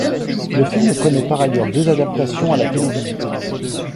Le film connait par ailleurs deux adaptations à la télévision.